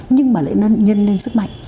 nhưng mà lại nhân lên sức mạnh